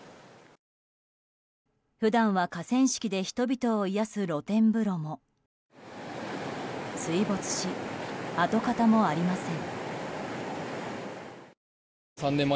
普段は河川敷で人を癒やす露天風呂も水没し跡形もありません。